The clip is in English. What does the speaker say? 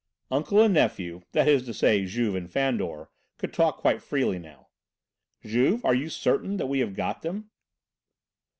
Uncle and nephew that is to say, Juve and Fandor could talk quite freely now. "Juve, are you certain that we have got them?"